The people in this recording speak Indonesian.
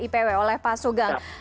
ipw oleh pak soegang